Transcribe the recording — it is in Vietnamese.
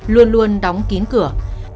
luôn luôn đóng kín cửa